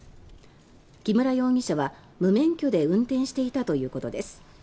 木村容疑者は無免許で運転していたということです。